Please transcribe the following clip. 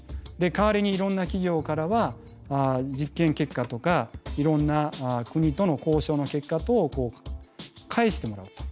代わりにいろんな企業からは実験結果とかいろんな国との交渉の結果等を返してもらうと。